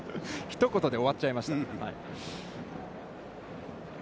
一言で終わっちゃいました。